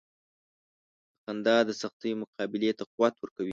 • خندا د سختیو مقابلې ته قوت ورکوي.